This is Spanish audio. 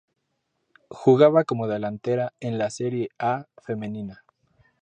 Jugaba como delantera en la Serie A femenina.